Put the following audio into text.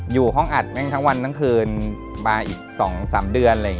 อยู่ห้องอัดแม่งทั้งวันทั้งคืนมาอีก๒๓เดือน